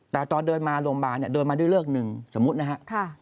แต่ตอนเดินมาโรงพยาบาลเนี่ยเดินมาด้วยเลิกหนึ่งสมมุตินะครับ